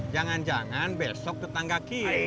jangan jangan besok tetangga kie